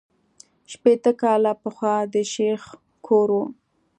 شپېته کاله پخوا د شیخ کور وو.